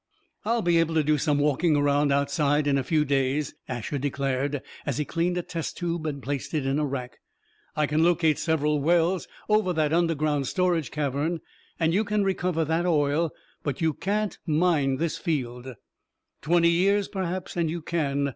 "I'll be able to do some walking around outside in a few days," Asher declared as he cleaned a test tube and placed it in a rack. "I can locate several wells over that underground storage cavern, and you can recover that oil. But you can't mine this field. "Twenty years, perhaps, and you can.